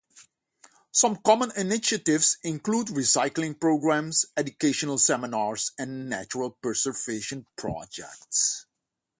Some common initiatives include recycling programs, educational seminars, and nature preservation projects.